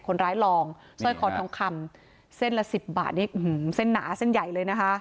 คนร้ายลองซ่อยคอนทองคำเส้นละสิบบาทนี่เส้นหนาเส้นใหญ่เลยนะคะ